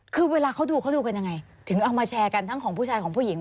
คือเวลาเขาดูเขาดูกันยังไงถึงเอามาแชร์กันทั้งของผู้ชายของผู้หญิง